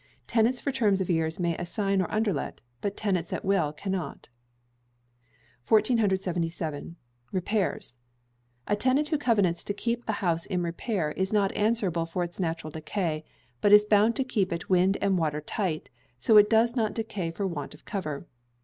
Tenants for terms of years may assign or underlet, but tenants at will cannot. 1477. Repairs. A tenant who covenants to keep a house in repair is not answerable for its natural decay, but is bound to keep it wind and water tight, so that it does not decay for want of cover.